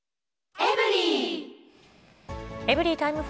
エブリィタイム４。